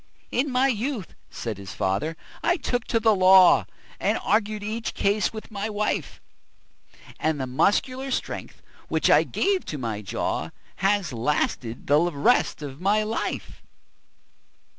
"In my youth," said his fater, "I took to the law, And argued each case with my wife; And the muscular strength, which it gave to my jaw, Has lasted the rest of my life."